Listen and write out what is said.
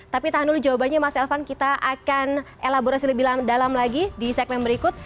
tapi tahan dulu jawabannya mas elvan kita akan elaborasi lebih dalam lagi di segmen berikut